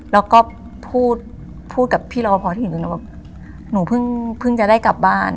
แล้วก็พูดพูดกับพี่รอบพอที่เห็นตรงนั้นว่าหนูเพิ่งจะได้กลับบ้าน